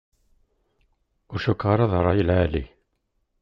Ur cukkeɣ d rray n lεali.